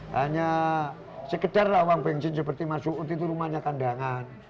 hanya sekedar uang bensin seperti masu'ud itu rumahnya kandangan